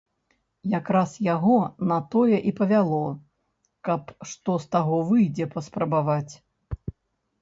Якраз яго на тое і павяло, каб, што з таго выйдзе, паспрабаваць.